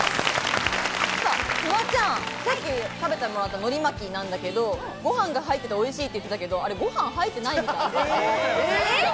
フワちゃん、さっき食べてもらった、のり巻きなんだけど、ご飯が入ってて、おいしいって言ってたけど、あれ、ご飯入ってないみたい。